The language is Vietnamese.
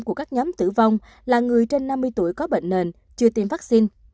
của các nhóm tử vong là người trên năm mươi tuổi có bệnh nền chưa tiêm vaccine